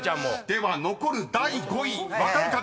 ［では残る第５位分かる方］